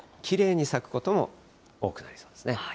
きれいに咲くことも多くなりそうですね。